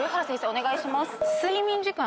お願いします。